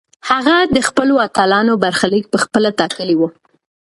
هغه د خپلو اتلانو برخلیک پخپله ټاکلی و.